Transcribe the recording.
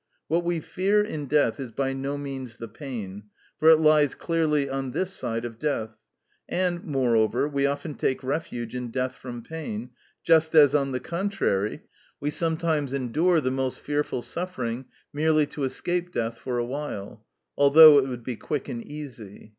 What we fear in death is by no means the pain, for it lies clearly on this side of death, and, moreover, we often take refuge in death from pain, just as, on the contrary, we sometimes endure the most fearful suffering merely to escape death for a while, although it would be quick and easy.